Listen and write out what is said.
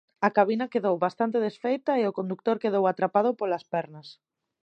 A cabina quedou bastante desfeita e o condutor quedou atrapado polas pernas.